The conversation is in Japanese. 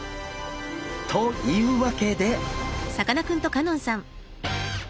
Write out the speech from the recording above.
というわけで！